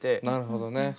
なるほどね。